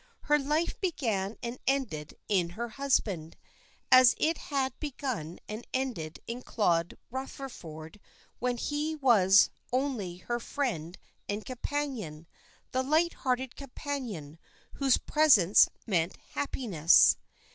Her life began and ended in her husband; as it had begun and ended in Claude Rutherford when he was only her friend and companion, the light hearted companion, whose presence meant happiness.